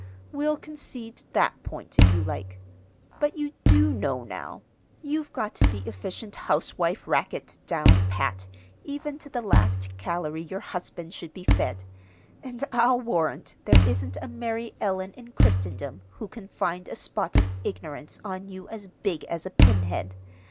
"We'll concede that point, if you like. But you do know now. You've got the efficient housewife racket down pat even to the last calory your husband should be fed; and I'll warrant there isn't a Mary Ellen in Christendom who can find a spot of ignorance on you as big as a pinhead!